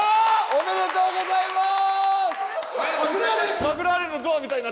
おめでとうございます！